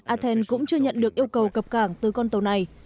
athens cũng chưa nhận được yêu cầu cập cảng từ con tàu này